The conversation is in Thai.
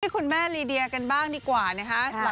ทรัพย์นี้คุณแม่ลีเดียกันบ้างดีกว่านะฮะ